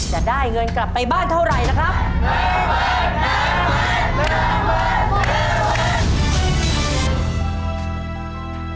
จะได้เงินกลับไปบ้านเท่าไหร่นะครับ